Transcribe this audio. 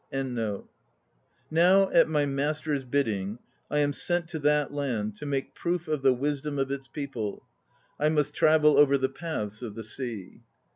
1 Now, at my master's bidding, I am sent to that land to make proof of the wisdom of its people. I must travel over the paths of the sea.